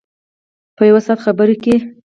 په یو ساعت خبر کې.